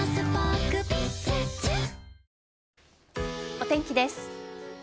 お天気です。